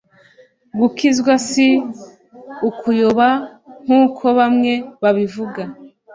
gukizwa si ukuyoba nkuko bamwe babivuga